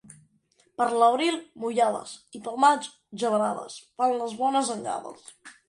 Per l'abril, mullades, i pel maig, gebrades, fan les bones anyades.